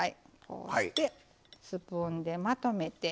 こうしてスプーンでまとめて。